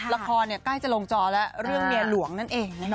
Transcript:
ละครเนี่ยใกล้จะลงจอแล้วเรื่องเนียนหลวงนั่นเอง